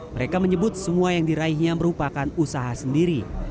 mereka menyebut semua yang diraihnya merupakan usaha sendiri